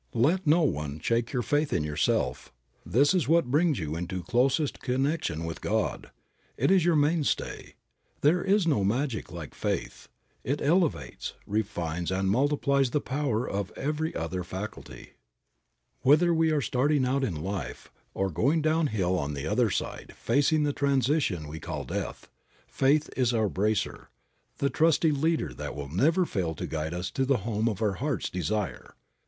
Let no one shake your faith in yourself. That is what brings you into closest connection with God. It is your mainstay. There is no magic like faith; it elevates, refines and multiplies the power of every other faculty. Whether we are starting out in life, or going downhill on the other side, facing the transition we call death, faith is our bracer, the trusty leader that will never fail to guide us to the home of our heart's desire.